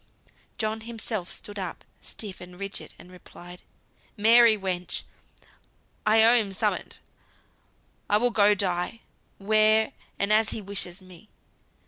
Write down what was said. John himself stood up, stiff and rigid, and replied, "Mary, wench! I owe him summut. I will go die, where, and as he wishes me.